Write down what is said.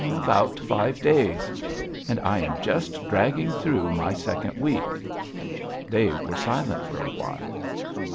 "About five days." "And I am just dragging through my second week." They were silent for a while.